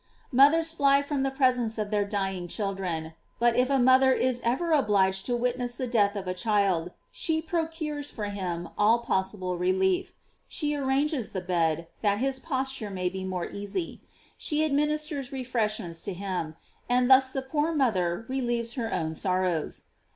f1 Mothers fly from the presence of their dying children; but if a mother is ever obliged to wit ness the death of a child, she procures for him all possible relief; she arranges the bed, that his posture may be more easy; she administers refreshments to him; and thus the poor mother relieves her own sorrows.